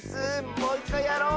もういっかいやろう！